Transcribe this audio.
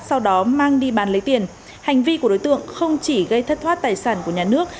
sau đó mang đi bán lấy tiền hành vi của đối tượng không chỉ gây thất thoát tài sản của nhà nước